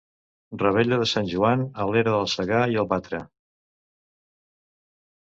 Revetlla de Sant Joan a l'era del Segar i el Batre.